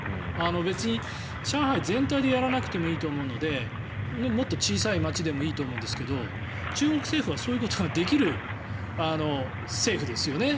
別に上海全体でやらなくてもいいと思うのでもっと小さい街でもいいと思うんですけど中国政府はそういうことができる政府ですよね。